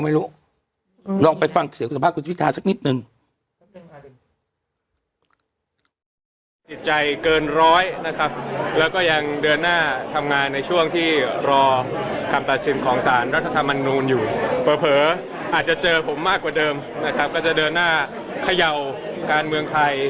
ลองไปฟังเสียงสัมภาษณ์คุณพิทาสักนิดนึง